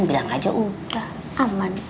bilang aja udah aman